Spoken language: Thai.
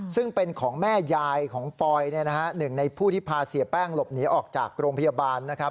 ซึ่งเป็นของแม่ยายของปอยหนึ่งในผู้ที่พาเสียแป้งหลบหนีออกจากโรงพยาบาลนะครับ